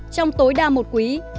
trong tối đa một quý